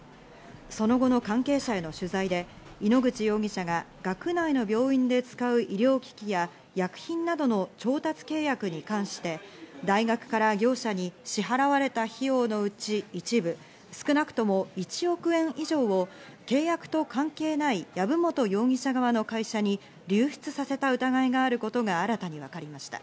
その後の関係者への取材で、井ノ口容疑者が学内の病院で使う医療機器や、医薬品などの調達契約に関して大学から業者に支払われた費用のうち一部、少なくとも１億円以上を契約と関係ない籔本容疑者側の会社に流出させた疑いがあることが新たに分かりました。